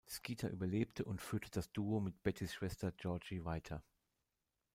Skeeter überlebte und führte das Duo mit Bettys Schwester Georgie weiter.